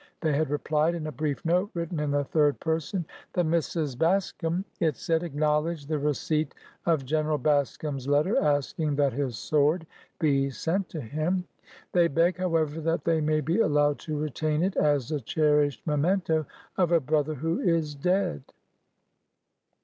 They had replied in a brief note written in the third person. The Misses Bascom," it said, acknowledge the re ceipt of General Bascom's letter asking that his sword be sent to him. They beg, however, that they may be allowed to retain it as a cherished memento of a brother who is dead."